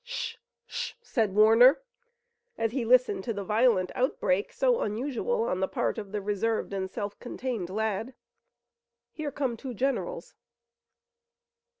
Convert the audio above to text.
"Sh! sh!" said Warner, as he listened to the violent outbreak, so unusual on the part of the reserved and self contained lad. "Here come two generals."